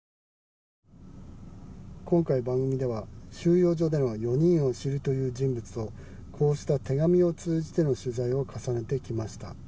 今回番組では収容所での４人を知るという人物をこうして手紙を通じての取材を重ねてきました。